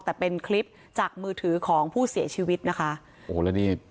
แต่เป็นคลิปจากมือถือของผู้เสียชีวิตนะคะโอ้โหแล้วนี่